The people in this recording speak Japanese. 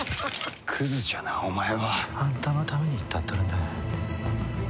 クズじゃなお前は。あんたのために言ったっとるんだがや。